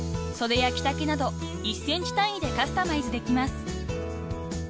［袖や着丈など１ｃｍ単位でカスタマイズできます］